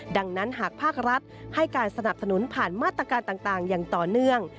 ดังนั้นหากภาครัฐให้การสนับสนุนผ่านมาตรการต่างอย่างต่อเนื่อง